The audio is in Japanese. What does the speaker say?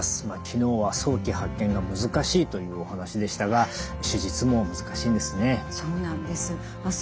昨日は早期発見が難しいというお話でしたが手術も難しいんですね。